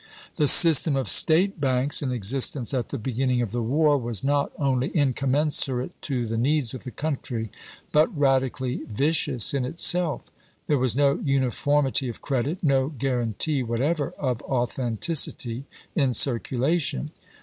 The system of State banks in existence at the beginning Vol. VI.— 16 242 ABRAHAM LINCOLN Chap. XI. of the War was not only incommensurate to the needs of the country, but radically vicious in itself. There was no uniformity of credit, no guaranty whatever of authenticity in circulation.